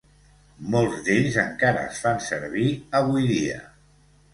Molts d'ells encara es fan servir avui dia.